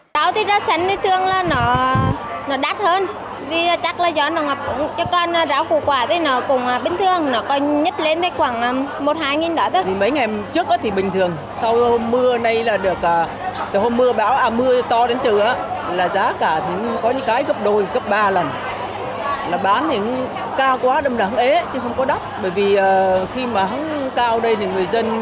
khi mà hóng cao đây thì người dân dùng mới là ít lại dùng đồ khô nhiều hơn